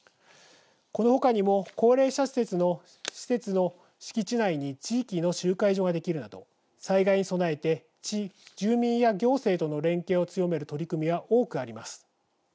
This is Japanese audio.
このほかにも高齢者施設の敷地内に地域の集会所ができるなど災害に備えて、住民や行政との連携を強める取り組みは多くあります。